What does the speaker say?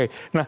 nah selain itu